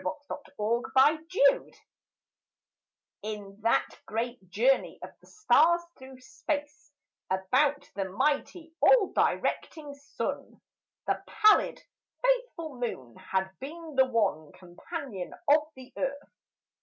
A SOLAR ECLIPSE In that great journey of the stars through space About the mighty, all directing Sun, The pallid, faithful Moon has been the one Companion of the Earth.